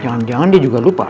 jangan jangan dia juga lupa